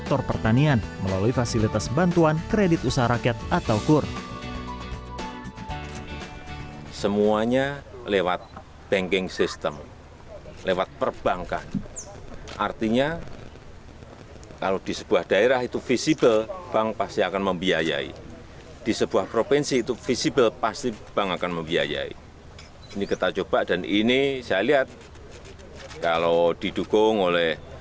sektor pertanian melalui fasilitas bantuan kredit usaha rakyat atau kur